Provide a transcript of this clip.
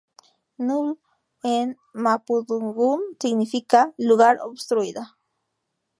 Ñuble en mapudungun significa "lugar obstruido".